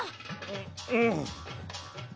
ううん。